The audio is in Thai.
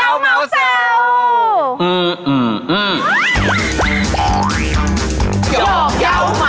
ว่า๖เลย